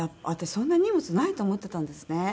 そんなに荷物ないと思ってたんですね。